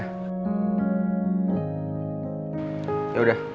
gue kesana sekarang